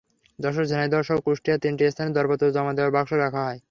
যশোর, ঝিনাইদহসহ কুষ্টিয়ার তিনটি স্থানে দরপত্র জমা দেওয়ার বাক্স রাখা হয়।